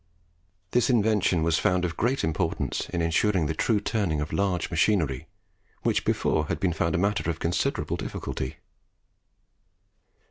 This invention was found of great importance in ensuring the true turning of large machinery, which before had been found a matter of considerable difficulty.